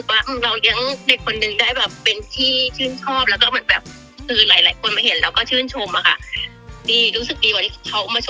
มีใครมีใครมีใคร